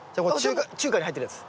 中華に入ってるやつ。